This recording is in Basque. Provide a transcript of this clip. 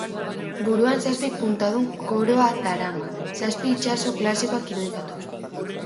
Buruan zazpi puntadun koroa darama, zazpi itsaso klasikoak irudikatuz.